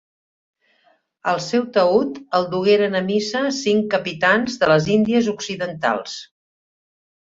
El seu taüt el dugueren a missa cinc capitans de les Índies occidentals.